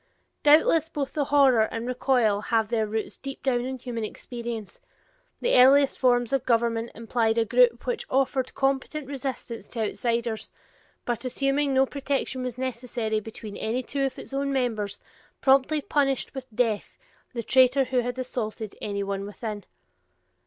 Doubtless both the horror and recoil have their roots deep down in human experience; the earliest forms of government implied a group which offered competent resistance to outsiders, but assuming no protection was necessary between any two of its own members, promptly punished with death the traitor who had assaulted anyone within.